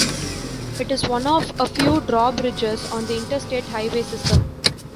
It is one of a few drawbridges on the Interstate Highway System.